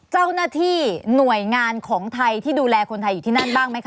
เจ้าหน้าที่หน่วยงานของไทยที่ดูแลคนไทยอยู่ที่นั่นบ้างไหมค